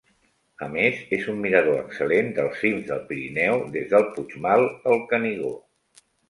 A més, és un mirador excel·lent dels cims del Pirineu des del Puigmal al Canigó.